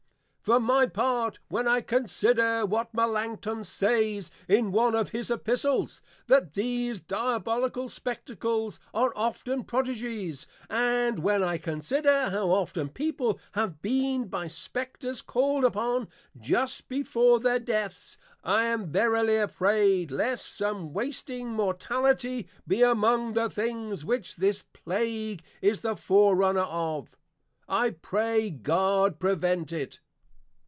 _ For my part, when I consider what Melancthon says, in one of his Epistles, That these Diabolical Spectacles are often Prodigies; and when I consider, how often people have been by Spectres called upon, just before their Deaths; I am verily afraid, lest some wasting Mortality be among the things, which this Plague is the Forerunner of. I pray God prevent it!